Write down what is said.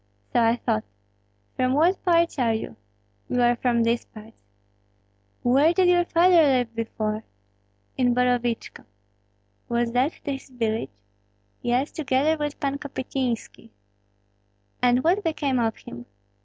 "So I thought. From what parts are you?" "We are from these parts." "Where did your father live before?" "In Borovichko." "Was that his village?" "Yes, together with Pan Kopystynski." "And what became of him?"